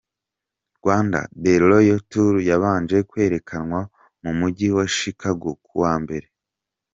Rwanda: The Royal Tour yabanje kwerekanwa mu Mujyi wa Chicago ku wa Mbere.